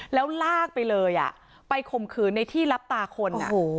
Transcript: แล้วลากไปเลยไปข่มขืนในที่รับตาคน